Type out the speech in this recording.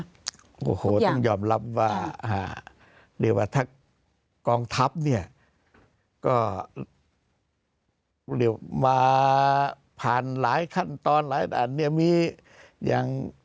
ของเยี่ยนต้องยอมลับว่ากองทัพเนี่ยว่าผ่านหลายขั้นตอนหลายหนักเนี่ยมีอย่าง